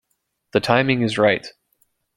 The timing is right.